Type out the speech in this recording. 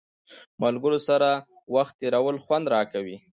د ملګرو سره وخت تېرول خوند راکوي.